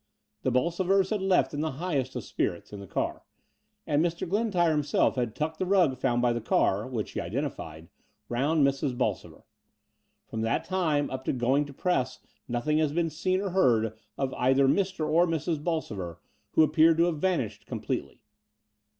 The Bolsovers had left in the highest of spirits in the car; and Mr. Glentyre himself had tucked the rug found by the car, which he identified, round Mrs. Bolsover. From that time up to going to press nothing has been seen or heard of either Mr. or Mrs. Bolsover, who appear to have vanished completely.